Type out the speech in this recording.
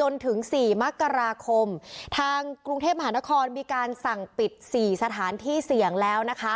จนถึง๔มกราคมทางกรุงเทพมหานครมีการสั่งปิด๔สถานที่เสี่ยงแล้วนะคะ